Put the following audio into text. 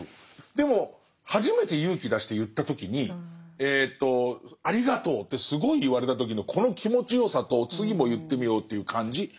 でも初めて勇気出して言った時に「ありがとう」ってすごい言われた時のこの気持ちよさと次も言ってみようという感じ。